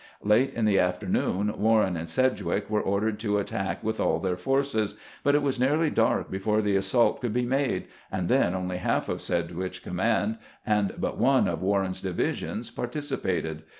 Late in the afternoon Warren and Sedgwick were ordered to attack with all their forces, but it was nearly dark before the assault could be made, and then only half of Sedgwick's com mand and but one of Warren's divisions participated.